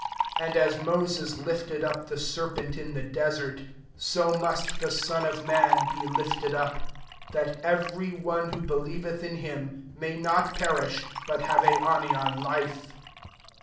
3t 14 ^^ And as Moaes lifted np the serpent in the desert, sa must the Son of man be Hfted upr 15 diat every one who be* lieveth in him Aiay [nttfteri^h, but^ have aionian Ufe.''